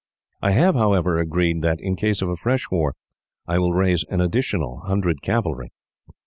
I have, however, agreed that, in case of a fresh war, I will raise an additional hundred cavalry.